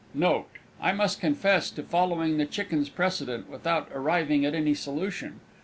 Note. I must confess to following the Chicken's precedent, without arriving at any solution.